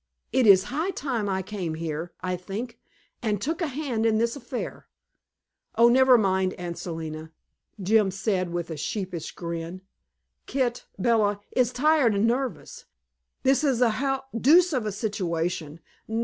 It is high time I came here, I think, and took a hand in this affair." "Oh, never mind, Aunt Selina," Jim said, with a sheepish grin. "Kit Bella is tired and nervous. This is a h deuce of a situation.